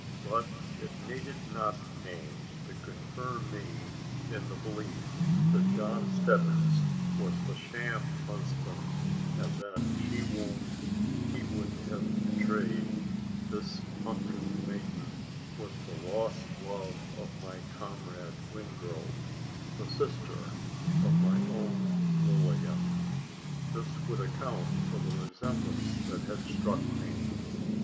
But it needed not names to confirm me in the belief that "Josh Stebbins" was the sham husband, and that she whom he would have betrayed this huntress maiden, was the lost love of my comrade Wingrove the sister of my own Lilian. This would account for the resemblance that had struck me.